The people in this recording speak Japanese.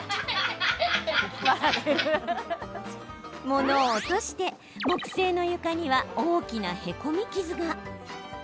物を落として、木製の床には大きなへこみ傷が。